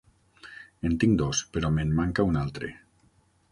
En tinc dos, però me'n manca un altre.